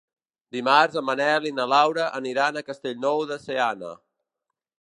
Dimarts en Manel i na Laura aniran a Castellnou de Seana.